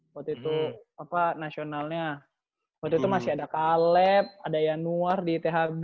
waktu itu nasionalnya waktu itu masih ada kaleb ada yanuar di thb